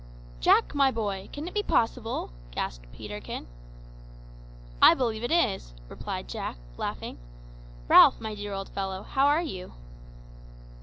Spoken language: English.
"Jack, my boy! can it be possible?" gasped Peterkin. "I believe it is," replied Jack, laughing. "Ralph, my dear old fellow, how are you?"